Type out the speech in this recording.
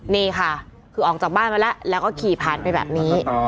นี่ค่ะคือออกจากบ้านมาแล้วแล้วก็ขี่ผ่านไปแบบนี้